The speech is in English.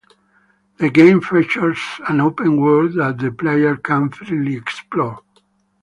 The game features an open world that the player can freely explore.